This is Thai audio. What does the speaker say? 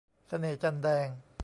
เสน่ห์จันทร์แดง